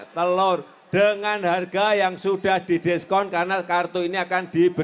terima kasih saya tutup